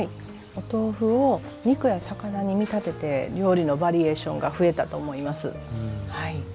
お豆腐を肉や魚に見立てて料理のバリエーションが増えたと思います。